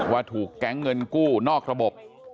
ว่าถูกแก๊งเงินกู้นอกระบบ